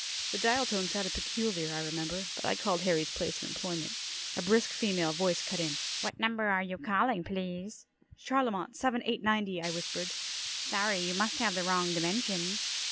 The dial tone sounded peculiar, I remember, but I called Harry's place of employment. A brisk female voice cut in: "What number are you calling, please?" "CHarlemont 7 890," I whispered. "Sorry. You must have the wrong dimension."